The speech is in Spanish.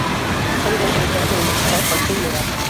Fue ayudante de Campo del Mariscal Joaquín Murat.